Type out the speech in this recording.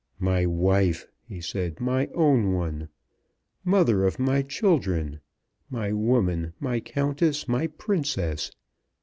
"My wife," he said, "my own one! Mother of my children. My woman; my countess; my princess.